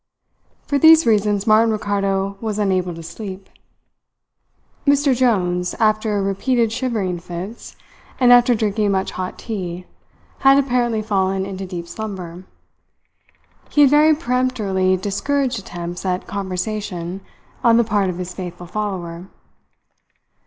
For these reasons Martin Ricardo was unable to sleep. Mr Jones, after repeated shivering fits, and after drinking much hot tea, had apparently fallen into deep slumber. He had very peremptorily discouraged attempts at conversation on the part of his faithful follower.